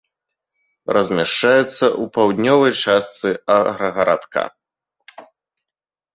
Размяшчаецца ў паўднёвай частцы аграгарадка.